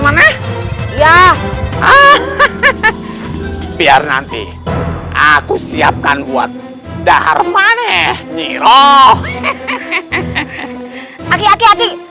maneh ya ah hahaha biar nanti aku siapkan buat dahar maneh nyi roh hehehe hehehe hehehe hehehe